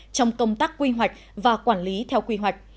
trong công tác quy hoạch và quản lý theo quy hoạch